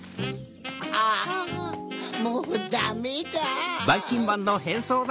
あぁもうダメだ。